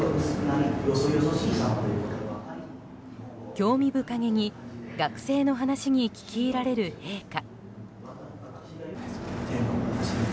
興味深げに学生の話に聞き入られる陛下。